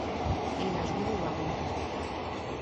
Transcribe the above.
এই লাশ গুলো ওয়াগন এ তুলো।